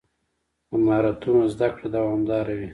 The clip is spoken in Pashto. د مهارتونو زده کړه دوامداره وي.